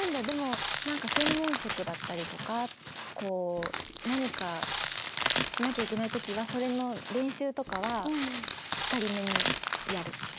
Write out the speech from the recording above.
でも何か専門職だったりとかこう何かしなきゃいけない時はそれの練習とかはしっかり目にやる。